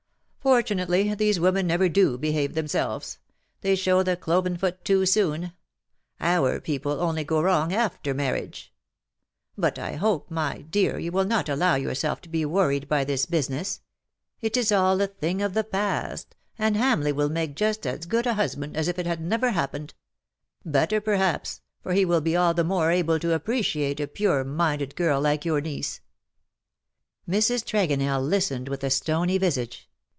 Fortunately, these women never do behave themselves : they show the cloven foot too soon ; our people only go wrong after marriage. But I hope, my dear, you will not allow yourself to be worried by this business. It is all a thing of the past, and Hamleigh w^ill make just as good a husband as if it had never happened ; better, per haps, for he will be all the more able to appreciate a pure minded girl like your niece.'''' Mrs. Tregonell listened wdth a stony visage.